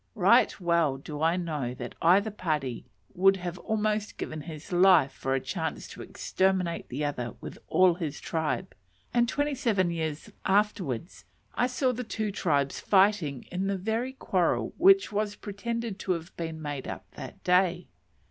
Right well do I know that either party would have almost given his life for a chance to exterminate the other with all his tribe; and twenty seven years afterwards I saw the two tribes fighting in the very quarrel which was pretended to have been made up that day.